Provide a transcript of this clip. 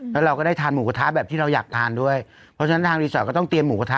แล้วเราก็ได้ทานหมูกระทะแบบที่เราอยากทานด้วยเพราะฉะนั้นทางรีสอร์ทก็ต้องเตรียมหมูกระทะ